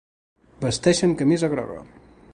Vesteixen camisa groga.